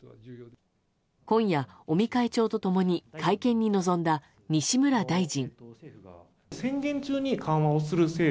今夜、尾身会長と共に会見に臨んだ西村大臣。